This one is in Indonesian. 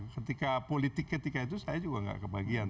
ketika politik ketika itu saya juga tidak kebahagiaan